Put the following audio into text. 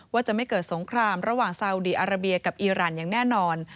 ว่าจะไม่เกิดสงครามระหว่างซาอุดีอาราเบียกับอีรานอย่างแน่นอน